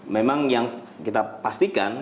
memang yang kita pastikan